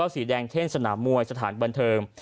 สีแดงเช่นสนามมวยสถานบันเทิง